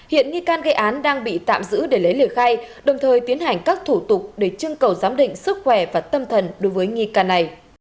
hiện nghi can gây án đang bị tạm giữ để lấy lời khai đồng thời tiến hành các thủ tục để chương cầu giám định sức khỏe và tâm thần đối với nghi can này